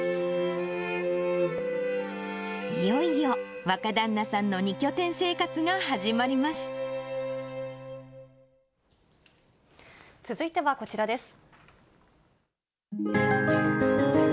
いよいよ若旦那さんの２拠点続いてはこちらです。